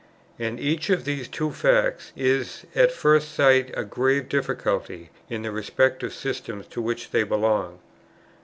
And each of these two facts is at first sight a grave difficulty in the respective systems to which they belong."